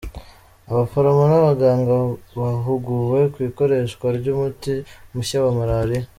Abaforomo n’abaganga bahuguwe ku ikoreshwa ry’umuti mushya wa Maraliya